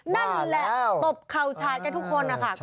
นั่นแล้วตบเข้าชาติกันทุกคนค่ะ